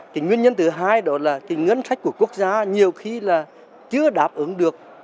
cái nguyên nhân thứ hai đó là cái ngân sách của quốc gia nhiều khi là chưa đáp ứng được